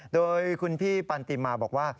โดยคุณพี่ปันติมาบอกว่า